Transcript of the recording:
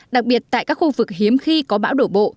đặc biệt tại các khu vực hiếm khi có bão đổ bộ